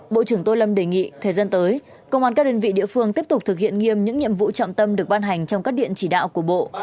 bộ trưởng tô lâm đề nghị thời gian tới công an các đơn vị địa phương tiếp tục thực hiện nghiêm những nhiệm vụ trọng tâm được ban hành trong các điện chỉ đạo của bộ